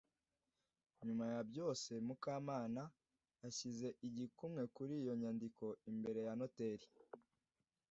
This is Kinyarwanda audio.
nyuma yabyose mukamana ashyize igikumwe kuri iyo nyandiko imbere ya noteri